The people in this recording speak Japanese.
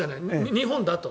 日本だと。